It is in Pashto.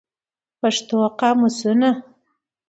پښتو قاموسونه